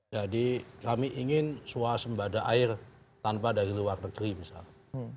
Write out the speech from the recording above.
jadi kami ingin suasembada air tanpa dari luar negeri misalnya